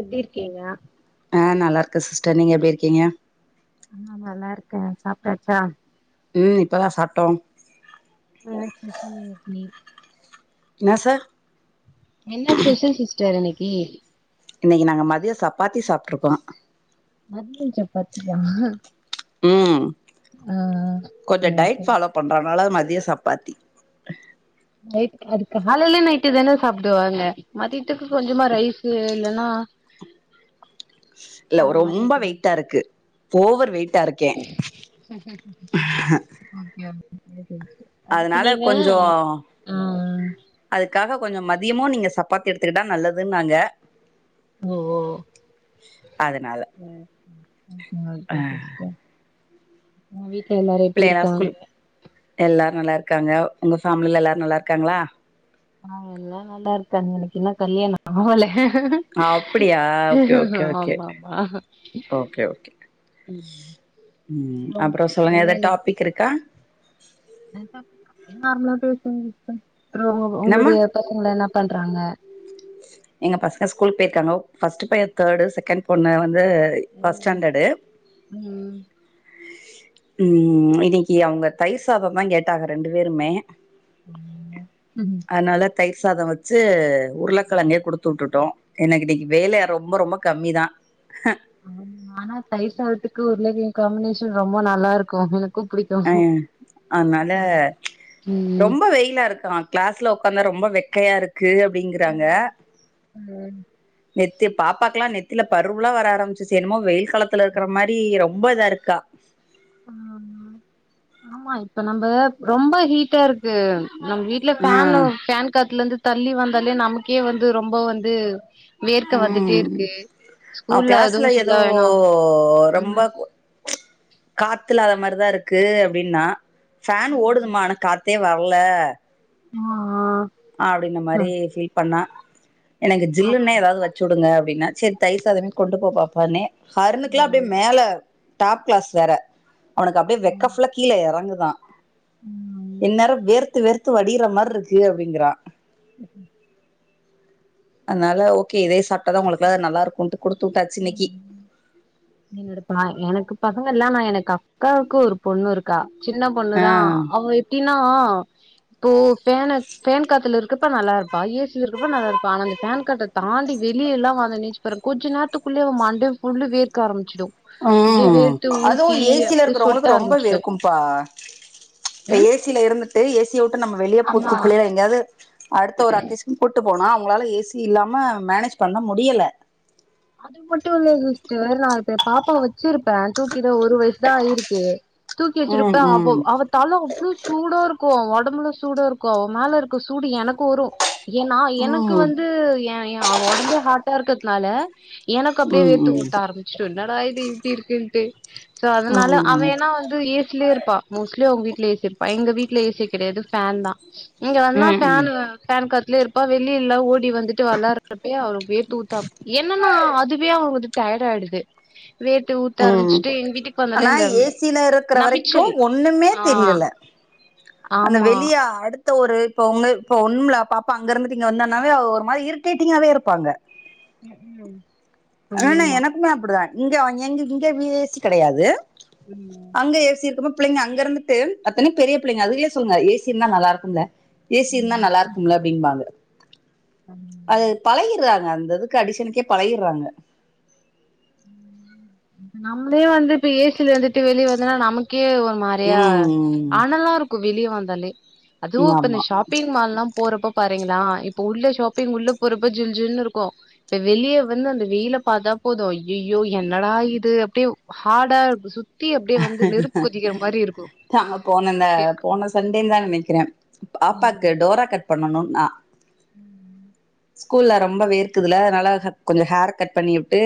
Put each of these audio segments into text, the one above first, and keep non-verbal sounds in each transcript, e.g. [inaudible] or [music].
எப்டி இருக்கீங்க நா நல்லாருக்கு சிஸ்டர் நீங்க எப்டி இருக்கீங்க ஆ நல்லா இருக்க சாப்டாச்சா ம் இப்பதா சாப்டோ ஆ என்ன ஸ்பெஷல் இன்னைக்கு என்ன சார் என்ன ஸ்பெஷல் சிஸ்டர் இன்னைக் கி இன்னைக்கு நாங்க மதியோ சப்பாத்தி சாப் ட்ருக்கோ மதியோம் சப்பாத்தியா ம் ஆ கொஞ்சோ சேரி டயட் சேரி ஃபாலோ பண்றோ அதனால மத் மதியோ சப்பாத்தி டையட் அது காலைல நைட்டு தான சாப்புடுவாங்க மதியத்துக்கு கொஞ்சமா ரைஸ்ஸு இல்லன்னா இல்ல அந்த மாரி ரொம்ப வைக்கணு வெயிட்டா இருக்கு ஓவர் வெயிட் டா இருக்கே ம்க்ம் அதனால கொஞ்சோ ஆ அதுக்காக கொஞ்சோ மதியமு நீங்க சப் சப்பாத்தி எடுத்துக்கிட்டா நல்லதுன்னாங்க ஓ ஓ அதனால ம் அ உ வீட் எல்லாரு எப்டி இருக்காங்க எல்லாரு நல்லா இருக்காங்க உங்கள் ஃபேமிலில எல்லாரு நல்லா இருக்காங்களா ஆ எல்லா நல்லா இருக்காங்க எனக்கு இன்னு கல்யாண ஆவல அப்டியா ஓகே ஓகே ஓகே ஆமாமா ஓகே ஓகே ம் ம் அப்புறம் அப்பறம் சொல்லுங்க என்ன எதா இன்னைக்கு டாப்பிக் இருக்கா [inaudible] [unintelligible] நார்மலா பேசி அப்றோ என்னம்மா உங்களுடைய பையங்கள என்ன பண் பறாங்க எங்க பசங்க ஸ்கூல் போயிருக்காங்க ஃபர்ஸ்ட் பைய தேர்டு செகண்ட் பொண்ணு வந்து இது ஃபஸ்ட் ஸ்டாண்டர்டு ம் உம் இடி ஏ அவுங்க தயிர் சாத தா கேட் ட்டாக ரெண்டு பேருமே உம்மா ம் அதனால தயிர் சாத வச்சு உருளக்கிழங்க எப் குடுத்து வுட்டுட்டோ எனக்கு இனைக்கு வேல ரொம்ப ரொம்ப கம்மி தா ஆ ஆனா தயிர் சாதத்துக்கு உருள கிழங் காம்பினேஷன் ரொம்ப நல்லா இருக்கும் என அ அதனால ம். ரொம்ப வெயிலா இருக்கா கிளாஸ்ல வொக்காந்தா ரொம்ப வெக்கையா இருக் க்கு அப்டிங்கறாங்க ம். நெத்தி பாப்பாக்கலா நெத்தில பருவலா வர ஆரமிச்சு செ என்னமோ வெயில்க் காலத்துல இருக்கிற மாரி ரொம் ரொம்ப இதா இருக்கா ஆ ஆமா இப்ப நம்ம ரொம்ப ஹீட்டா இருக்கு நம்ம வீட்ல ஆ ஃபேனு ஃபேன் காத்துல இந்து தள்ளி வந்தாலே நமக்கே வந்து ரொம்ப வந்து வேர்க்க வந்துட்டே ம் இருக்கு அவ ஸ்கூல்ல கிளாஸ்ல அதுவு ஏதோ சொல்ல வேணா ரொம்ப ம் ச் காத்துல அத மாரிதா இருக்கு அப்டின்னா ஃபேன் ஓடுதுமா ஆனா காத் காத்தே வர்ல ம்மா ஆ அப்டின்ன மாரி ஃபீல் பண்ணா எனக்கு ஆ ஆ ஜில்லுன்னே எதாவது வெச்சுடுங்க அப்டின்ன சேர் தயிர் சாதமே கொண்டு போ பாப்பானே ஹருணுக்கெல்லா அப்டியே மேல டாப் கிளாஸ் வேற அவனுக்கு அப்டியே வெக்க ஃபுல்லா கீழ எறங்குது தா இன்னாரோ வேறு வேர்த்து வேர்த்து வடியிர்ற மார் இருக்கு அப் அப்டிங்கிறா ம்க்ம் அதனால ஓகே இதே சாப்டாதா அவங்களுக்கெல்லா அது நல்லா இருக்குன்ட்டு குடுத்து வுட்டாச்சு இன்னைக்கி ம் என்னோட பா எனக்குப்பா அங்கல்லா நா எனக் அக்காவுக்கு ஒரு பொண்ணு இருக்கா சின்ன ஆ பொண்ணுதா அவ எப்டின்னா இப்போ ஃபேன ஃபேன் காத்துல இருக்கப்ப நல்லா இருப்பா ஏசில இருக்கப்ப நல்லா இருப்பா ஆனா இந்த ஃபேன் காத்த தாண்டி வெளிய எல்லா வந்து [inaudible] கொஞ்சோ நேர் வீட்டுக்குள்ளயே அவ மண்டே ஃபுல்லு வேர்க்க ஆரம்பச்சுடு ம் அதுவு ஏசில அப்டியே சொட்ட இருக்கறவங்களுக்கு ரொம்ப ஆரம்பிச்சிடு வேர்க்கும்பா இப்ப ம் ஏசில இருந்துட் டு ஏஸ் ஏசிய உட்டு நம்ம வெளிய போ குப் ஆமா புள்ளைங்கள எங்காவது அடுத்த ஒரு அக்கேஷன் கூட்டுப் போனா அவங்களால ஏசி இல்லாம மேனேஜ் பண்ண முடியல அது மட்டு இல்லது டு நா [unintelligible] பாப்பாவ வெச்சுருப்ப தூக்கிதா ஒரு வயிசுதா ஆயிருக்கு தூக்கி வெச்சுருப்ப ம் அவ்வோ ம் அவ தல அவ்வளோ சூடா இருக்கு ஒ ஒடம்புலா சூடா இருக்கு அவ மேல இருக்க சூடு எனக்கு வரு ஏன்னா எனக்கு ம் ம் வந்து எ எ அவ ஒடம்பே ஹாட்டா இருக்கக் நால எனக்கு அப்டியே ம் வேர்த்து கொட்ட ஆரம்பிச்சுருன் என்னடா இது இப்டி இருக்குன்ட்டு சோ அதனால அவ ம் ஏன்னா வந்து ஏஸ் வீட்ல இருப்பா மோஸ்ட்லி அவங்க வீட்டுல ஏசிலியில் இருப்பா எங்க வீட்ல ஏசி கெடையாது ஃபேன் தான் இங்க வந்தா ம் ஃபேன் ம் வேணும் ஃபேன் காத்து இருப்பா வெளிய இல்ல ஓடிடுவா வந்துட்டு விளையாடுறப்பயே அவளுக்கு வேர்த்து ஊத்து தான் இப்பவே அவங்களுக்கு வந்து டயர்ட் ஆயிடுது வேர்த்து ஊத்த உஹம் ஆரம்பிச்சுட்டு எங்க வீட்டுக்கு வந்தாலே ஆனா அந்த ஏசில இருக்கிற வரைக்கும் நமிச்சல் ஒண்ணுமே ஆ தெரியல அந்த ஆமா வெளியா அடுத்த ஒரு இப்ப உங்க இப்ப ஒண்ணும் இல்ல பாப்பா அங்க இருந்துட்டு இங்க வந்தானாவே ஒரு மாதிரி இரிட்டேட்டிங்காவே இருப்பாங்க உம் உம் ஆனா எனக்குமே அப்படிதான் இங்க எங்க இங்க ஏசி கெடையாது ம் அங்க ஏசி இருக்கும் போ பிள்ளைங்க அங்க இருந்துட்டு அத்தன பெரிய பிள்ளைங்க அதுங்கலே சொல்லுங்க ஏசிய இருந்தா நல்லா இருக்கும்ல ஏசி இருந்தா நல்லா இருக்கும்ல அப்படின்பாங்க ம் அது பழகி இருக்காது அந்ததுக்கு அடிசனுக்கே பழகிடுறாங்க ம் நம்மளே வந்து இப்ப ஏசில வந்துட்டு வெளிய வந்ததுனா நமக்கு க்கே ஒரு மாறியா ம் அனல்லா இருக்கும் வெளிய வந்தாலே அதுவும் ம் இப்ப ஆமா இந்த ஷாப்பிங் மால் எல்லாம் போறப்ப பாத்திங்களா இப்ப உள்ள ஷாப்பிங் உள்ள போறப்ப ஜில் ஜின்னு இருக்கும் இப்ப வெளியே வந்து அந்த வெயில பார்த்தா போதும் அய்யயோ என்னடா இது அப்படியே ஹார்டா இருக்கு சுத்த ஹஹ நாங்க போன இந்த அப்டி இருக்கு போன சண்டேன்ன தான் நினைக்கிறேன் பாப்பாக்கு டோரா கட் பண்ணணும்ண்ணா உம் ஸ்கூல்ல ரொம்ப வேர்க்குதுல அதனால கொஞ்சம் ஹேர் கட் பண்ணி விட்டு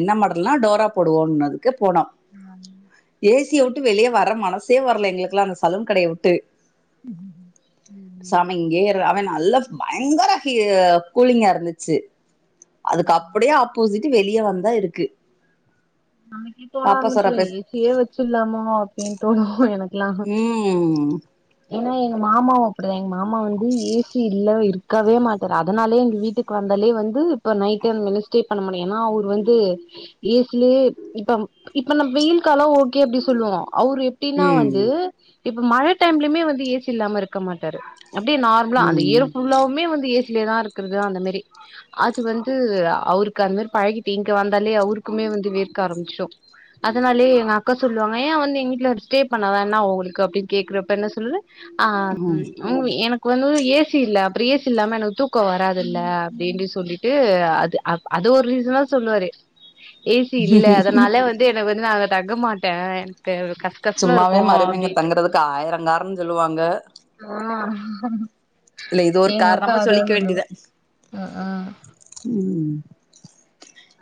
என்ன மாடலனா டோரா போடுவோம் உஹம் ஏசியை விட்டு வெளியே வரற மனசே வரலை எங்களுக்குல்லாம் அந்த சலுனை விட்டு ம் ஆ அவ நல்ல பயங்கர ஹீ கூலிங்கா இருந்துச்சு அதுக்கு அப்படியே ஆப்போசிட் ட்டு வெளிய வந்தா இருக்கு நமக்கு ஈக்வலா பாப்பா சொற ஆரம்பிச்சிருவா பேச எ சியே வச்சுர்லாமா அப்டின்ட்டு என ம் ஏன்னா எங்க மாமாவு அப்பிடிதா எங்க மாமா வந்து ஏ சி இல்ல இருக்கவே மாட்டாரு. அதனாலயே எங்க வீட்டுக்கு வந்தாலே வந்து இப்ப நைட் டைம் வந்து ஸ்டே பண்ண மாட்டாரு ஏன்னா அவர் வந்து ஏ சி லயே இப்பம் இப்ப நம்ம வெயில் காலோ ஓகே அப்டி சொல்லுவோ அவரு எப்டின்னா ம் வந்து இப்ப மழ டைம்லயுமே வந்து ஏ சி இல்லாம இருக்க மாட்டாரு. அப்டியே நார்மலா அந்த ம் இயர் ஃபுல்லாவுமே வந் து ஏ சி லயேதா இருக்குறது அந்த மாரி அது வந்து அ அவருக்கு அந்த மாரி பழகிட்டு இங்க வந்தாலே அவருக்குமே வந்து வேர் க்க ஆரம்பிச்சிரு. அதனாலே எங்க அக்கா சொல்லுவாங்க ஏன் ஆ வந்து நீ எங்க வீட்ல ஸ்டே பண்ணாதா என்ன ஆவு உங்களுக்கு அப்டின்னு கேக்குறப்ப என்ன சொல்வ ஆ ம் ம் என க்கு வந்து ஏ சி இல்ல அப்ற ஏ சி இல்லாம என்னால தூ தூக்கோ வராதில்ல அப்டின்னு சொல்லிட்டு ஆ அது அத் அது ஒரு ரீசனா சொல்வாரு சி இல்ல அதனால வந்து என்ன வ ந்து நா அங்க தங்க மாட்டே எனக்கு கச கசன்னு சும்மாவே இருக்கு மருமகங்க அப்டின்ட்டு தங்குறதுக்கு ஆயிரங்காரணஞ் சொல்லுவாங்க ஹ இல்ல இது ஒரு காரணமா சொல்லிக்க வேண்டியதுதா ஆ ஆ ம்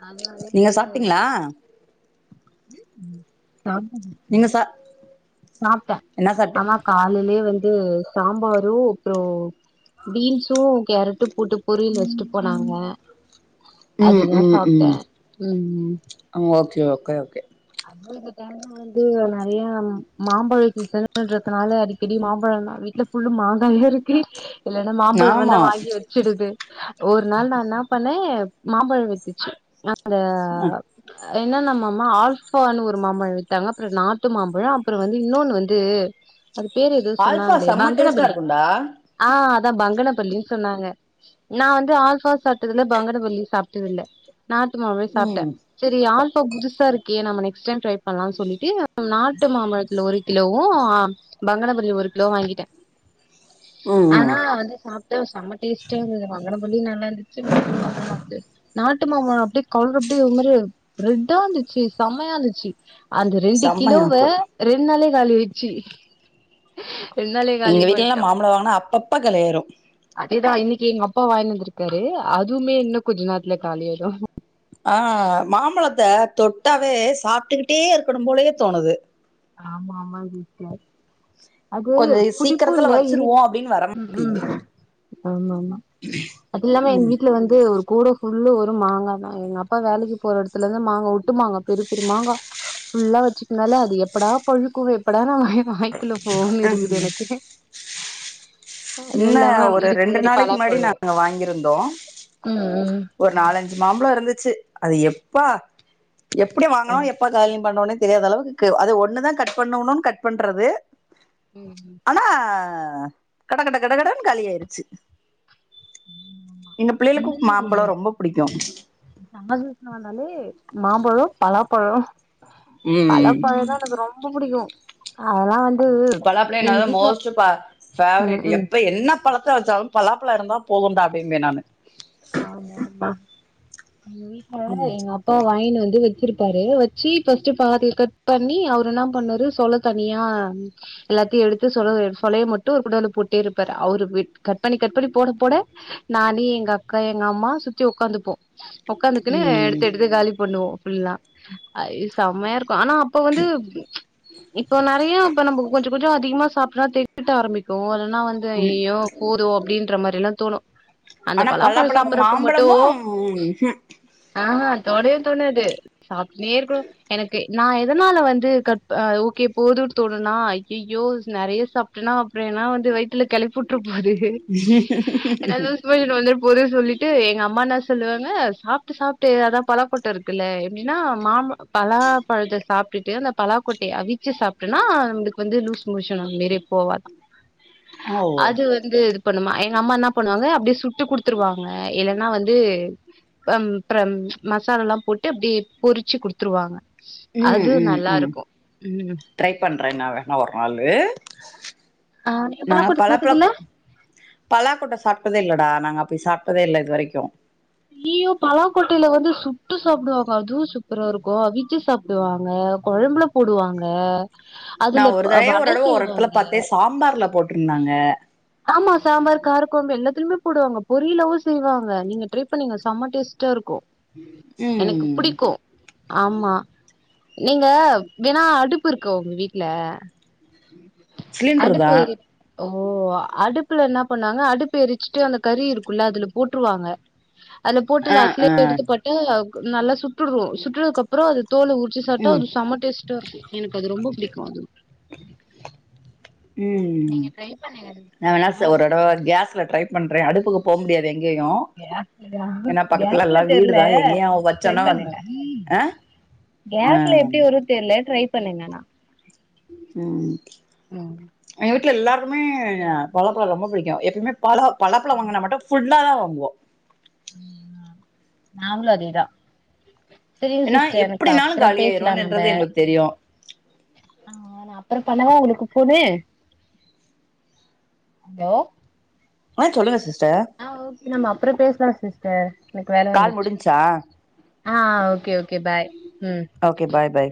அதனாலயே நீங்க இங்க சாப்ட்டீங்களா வந்து [inaudible] நீங்க சா சாப்ட்டே என்ன சாப்ட்டு ஆமா காலைலியே வந் இது சாம்பாரு அப்றோ பீன்ஸு கேரட் டு போட்டு பொரியல் வச்சுட்டு போனாங்க. ம் அதுதா ம் சாப்ட்டே ம் ம் ஓகே ஓகே ஓகே அதுவு இந்த டைம்ல வந்து நெறைய ம் மாம்பழ சீசன்றதுனால அடிக்கடி மாம்பழம்லா வீட்ல ஃபுல்லு மாங்காயா இருக்கு இல்லேனா மாம்பழம் வந்தா ஆமா வாங்கி வெச்சிடுது ஒரு நாள் நா என்னா பண்ணே மாம்பழம் வித்துச்சு ன அத ஏன்ன நம்மம்மா ஆள்ஸ் ப்பானு ஒரு மாம்பழோ வித்தாங்க அப்றோ நாட்டு மாம்பழோ அப்றோ வந்து இன்னோனு வந்து அது பேரு ஏதோ ஆல்ஃபா சொன்னாங்களே செம்ம டேஸ்ட்டா பங்கனபள்ளி இருக்கும்டா ஆ அதா பங்கனப்பள்ளினு சொன்னாங்க நா வந்து ஆல்பா சாப்டது இல்ல பங்கனபள்ளியு சாப்டது இல்ல நாட்டு மாம்பழ சாப்ட்டே ம் செரி ஆல்பா புதுசா இருக்கு ஏ நம்ம நெக்ஸ்ட் டைம் டிரை பண்லாம்னு சொல்லிட்டு நாட்டு மாம்பழத்துல ஒரு கிலோவு பங்கனபள்ளி ஒரு கிலோவு வாங்கிட்டே ம் ஆனா வந்து சாப்ட்டா செம்ம டேஸ்டா இருந்தது பங்கன பள்ளியு நல்லா இருந்துச்சு நாட்டு மாம்பழோ நல்லது நாட் நாட்டு மாம்பழோ அப்டியே கலர் அப்டியே ஒரு மாரி ரெட்டாருந்துச்சு செம்மையா இருந்துச்சு அந்த ரெண்டு செம்மையா கிலோவ இருக்கும் ரெண்டு நாள்ளயே- காலியாச்சு எங்க வீட்லலா மாம்பழோ வாங்குனா அப்பப்ப காலி ஆய்ரு இதுதா இன்னிக்கு எங்க அப்பா வாய்னு வந்துருக்காரு அதுவுமே இன்னு கொஞ்ச நேரத்ல காலி ஆய்ரு ஆ மாம்பழத்த தொட்டாவே சாப்டுகிட்டே இருக்கணும் போலயே தோணுது ஆமா - ஆமா சிஸ்டர் அது கொஞ்ச புளிப்பு சீக்கிரத்துல இல்ல இனி வச்சிருவோம் அப்டின்னு ம் - ம் வரமாட்டிது ஆமா - ஆமா அது இல்லாம எங்க ம் வீட்ல வந்து ஒரு கூட ஃபுல் புல்லு ஒரு மாங்கா தா எங்க அப்பா வேலைக்கு போற இடத்துலருந்து மாங்கா ஒட்டு மாங்க பெரிய பெரிய மாங்கா புல்லா வெச்சுந்தாலே அது எ எப்படா பழுக்கு எப்படா நா இப்பயே வாய்குள்ள போவுனு இருக்குது எனக்கு அது இன்ன இல்லாம ஒரு இதுக்கு ரெண்டு நாளைக்கு முன்னாடி பலாப்பழம் நாங்க வாங்கியிருந்தோ ம் ம் ஒரு நாலஞ்சு மாம்பழோ இருந்துச்சு அது எப்பா எப்டி அ வாங்கனோ எப்ப காலி பண்ணோனே தெரியாத அளவுக்கு அது ஒன்னுதா கட் பண்ணோ உண்ணோனு கட் பண்றது ம் ம். ஆனா ஆ கடகடகடகடணு காலியாய்ருச்சு அந்திர செம்மா சூசின வந்தாலி [unintelligible] மாம்பழோ பலாப்பழோ ம் பலப்பழந்தா எனக்கு ரொம்ப புடிக்கு அதெல்லா வந் பழாப்ள என்னதா மோஸ்டு ம் ம் ஃபேவரெட்டு ம் எப்ப என்ன பழத்த வெச்சாலும் பலாப்பழோ இருந்தா போதும்டா அப்டின்னு நானு ஆமா ஆமா எங் வீட்ல ம் எங்க அப்பா வாங்கினு வந் ந்து வெச்சுருப்பாரு வெச்சு ஃபஸ்ட்டு பாதிய கட் பண்ணி அவரு என்ன பண்ணாரு சொள தனியா எல்லாத்தையு எடுத்து சொள சொளைய மட்டு ஒரு குன்டால போட்டே இருப்பாரு அவரு வெட் கட் பண்ணி கட் பண்ணி போட போட நானு எங் அக் கா எங் அம்மா சுத்தி உக்காந்துப்போ உக்காந்துக்குன்னு ம் எடுத்து எடுத்து காலி பண்ணுவோ ஃபுல்லா அயி செம்மயா இருக் கு ஆனா அப்ப வந்து இப்ப நறையா இப்ப நம்ப கொஞ்ச கொஞ்சோ அதிகமா சாப்புட்னா தெகட்ட ஆரம்பிக்கு அதது ஆனா வந்து ம் ஐயையோ போது அப்டின்ற மாரி எல்லா தோணு அந்த ஆனா பலாப் பலாப்பழ பழம் சாப்பறப்ப மட்டு மாம்பழமும் ம் ஆ தொடவே தோணாது சாப்புனே இருக்கணு எனக்கு நா எதனால வந்து கப் ஓகே போதுன் தோணுனா ஐயையோ நறையா சாப்டனா அப்புறோ என்னா வந்து வயித்துல கெழப்பியுட்ரு மருகு [unintelligible] போதுன் சொல்லிட்டு எங்க அம்மா என்ன சொல்லுவாங்க சாப்டு சாப்டு அதா பலாக்கொட்ட இருக்குல்ல எப்டின்னா மாம்பழோ பலா பழத்த சாப்டுட்டு அந்த பலாக்கெட்டைய அவிச்சு சாப்டன்னா நம்மளுக்கு வந்து லூஸ் மோஷன் ஆகு மிரே போவாதா ஓ அது வந்து இதுப் பண்ணுமா எங்க அம்மா என்ன பண்ணுவாங்க அப்டியே சுட்டு குடுத் குடுத்துருவாங்க இல்லன்னா வந்து பம் ப்பறம் மசாலா எல்லாம் போட்டு அப்டியே பொருச்சு குடுத்துருவாங்க ம் அது ம் நல்லா ம் இருக்கு ம் ட்ரை பண்ற நா வேணா ஒரு நாள் ளு ஆ நீங்க நாங்க பலாக்கோட்ட சாப்ட்டதில்ல பலாப்பழக் பலாக்கொட்ட சாப்டதே இல்லடா நாங்கப் அப்டி சாப்டதே இல்லைன இது வரைக்கு லீயு பலாக்கொட்டையில வந்து சுட்டு சாப்புடுவாங்க அதுவுஸ் சூப்பரா இருக்கு அவிச்சு சாப் சுடுவாங்க கொழம்புல போடுவாங்க நா அதுல ஒரு தடையே வட ஒரு தடவ ஒரு எடத்துல செய்வாங்க பாத்தே சாம்பார்ல போட்டுருந்தாங்க ஆம்மா சாம்பார் காரக்கொழம்பு எல்லாத்துலயுமே போடுவாங்க பொரியலாவு செய்வாங்க நீங்க ட்ரை பண்ணீங்க சம்ம டேஸ்ட்டா இருக்கு எனக்கு ம் புடிக்கு ஆமா நீங்க விணா அடுப்பு இருக்க உங்க வீட்டுல சிலிண்டரு தான் ஓ அடுப்புல என்ன பண்ணாங்க அடுப்பு எரிச்சுட்டு அந்த கறி இருக்கும்ல்ல அதுல போட்டுருவாங்க அந்த ஆ போட்டுல ஆ அசலயே எடுத்துப்பட்டு நல்லா சுட்டுடுவம் சுட்டுறதுக்கு அப்புறம் அது தோல உரிச்சு சாப்டா ம் அது செம டேஸ்ட் எனக்கு அது ரொம்ப பிடிக்கும் அது உம் நீங்க ட்ரை பண்ணுங்க நான் வேணா ஒரு தடவை கேஸ்ல ட்ரை பண்றேன் அடுப்புக்கு போக முடியாது எங்கேயு ஏன்னா பக்கத்துல கேஸ்ல எல்லா தெரியல வீடுதா எங்கேயு ட்ரை வச்சோன்னா வந்து பண்ணுங்க ஆ கேஸ்ல எப்படி வரும்னு தெரியல பண்ணீங்கண்ணா உம் எங்க வீட்டுல எல்லாருமே பலா பழம் ரொம்ப பிடிக்கும் எப்பயுமே பல பலாப்பழம் வாங்கினா மட்டும் புல்லாலதான் வாங்குவோம் உம் நாம்மளும் அதே தான் ஏன்னா எப்படினாலும் காலி ஆயிரும் நம்ப என்றது எங்களுக்கு தெரியும் அப்புறம் பண்ணவா உங்களுக்கு போனு ஹலோ ஆ சொல்லுங்க சிஸ் ஆஹ் ஓகே நம்ம அப்புறம் பேசலாம் சிஸ்டர் எனக்கு வேலை கால் வந்துச்சு முடிஞ்ச்சா ஆஹ் ஓகே ஓகே பாய் ம் ஓகே பாய் பாய்